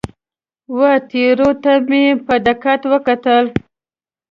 وه ټیرو ته مې په دقت وکتل.